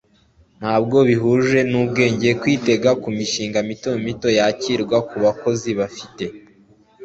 Ntabwo bihuje n'ubwenge kwitega ko imishinga mito mito yakirwa kubakozi bafite